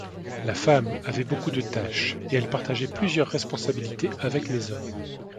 La femme avait beaucoup de tâches et elle partageait plusieurs responsabilités avec les hommes.